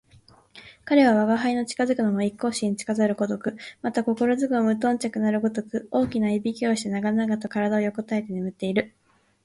彼は吾輩の近づくのも一向心付かざるごとく、また心付くも無頓着なるごとく、大きな鼾をして長々と体を横えて眠っている